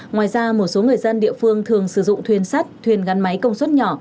ngoài ra một số người dân địa phương thường sử dụng thuyền sắt thuyền gắn máy công suất nhỏ